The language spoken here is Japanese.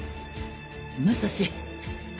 武蔵。